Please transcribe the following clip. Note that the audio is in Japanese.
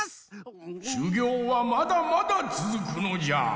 しゅぎょうはまだまだつづくのじゃ！